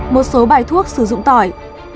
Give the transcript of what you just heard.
một số bài thuốc sử dụng tỏi